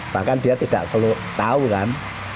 bahkan dia tidak perlu tahu kan